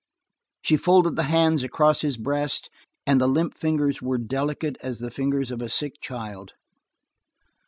She folded the hands across his breast, and the limp fingers were delicate as the fingers of a sick child.